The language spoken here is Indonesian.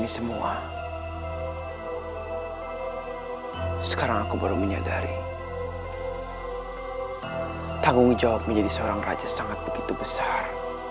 sekarang aku baru menyadari tanggung jawab menjadi seorang raja sangat begitu besar